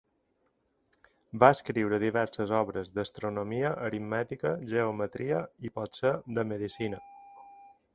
Va escriure diverses obres d'astronomia, aritmètica, geometria, i potser de medicina.